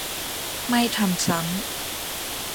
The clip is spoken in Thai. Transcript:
ไม่ทำซ้ำ